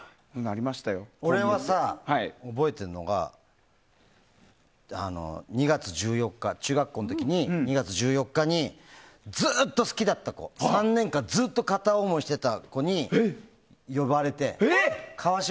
俺はさ、覚えてるのが中学校の時、２月１４日にずっと好きだった子３年間ずっと片思いしてた子に川島